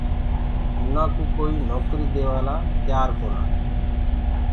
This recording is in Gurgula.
اُنآ ڪو ڪوئيٚ نوڪريٚ ديوآ لآ ڪونآ۔